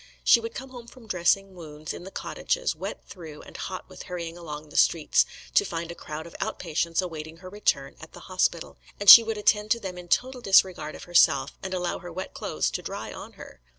She would come home from dressing wounds in the cottages, wet through and hot with hurrying along the streets, to find a crowd of outpatients awaiting her return at the hospital, and she would attend to them in total disregard of herself, and allow her wet clothes to dry on her.